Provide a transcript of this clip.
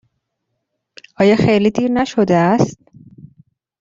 آیا خیلی دیر نشده است؟